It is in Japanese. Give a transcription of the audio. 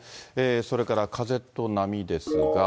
それから風と波ですが。